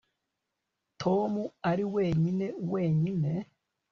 tom ari wenyine wenyine